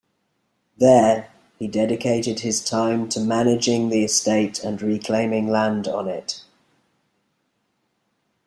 There, he dedicated his time to managing the estate and reclaiming land on it.